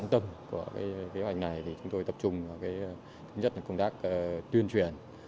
trọng tâm của kế hoạch này thì chúng tôi tập trung vào công tác tuyên truyền